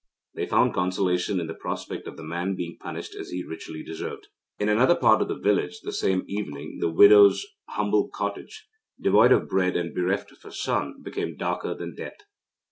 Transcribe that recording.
They found consolation in the prospect of the man being punished as he richly deserved. In another part of the village the same evening the widow's humble cottage, devoid of bread and bereft of her son, became darker than death.